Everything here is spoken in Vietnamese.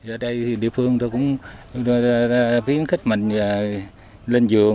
ở đây thì địa phương tôi cũng khuyến khích mình lên giường